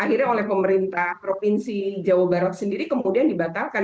akhirnya oleh pemerintah provinsi jawa barat sendiri kemudian dibatalkan